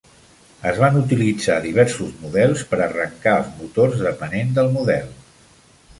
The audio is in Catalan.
Es van utilitzar diversos models per arrancar els motors depenent del model.